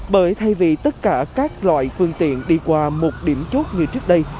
bởi thay vì tất cả các loại phương tiện đi qua một điểm chốt như trước đây